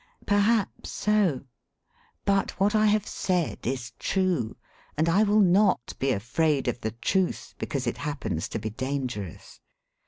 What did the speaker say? Perhaps so; but what I have said is true, and I will not be afraid of the truth because it happens to be dangerous.